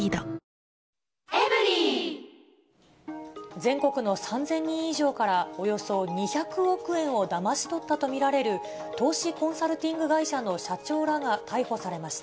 全国の３０００人以上から、およそ２００億円をだまし取ったと見られる、投資コンサルティング会社の社長らが逮捕されました。